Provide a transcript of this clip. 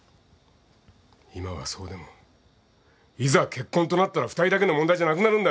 今はそうでもいざ結婚となったら２人だけの問題じゃなくなるんだよ。